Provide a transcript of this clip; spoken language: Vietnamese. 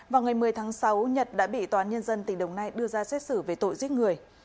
vào ngày một mươi tháng sáu nhật đã bị tòa án nhân dân tỉnh đồng nai đưa ra xét xử về tội giết người